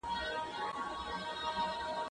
کېدای سي مکتب بند وي!؟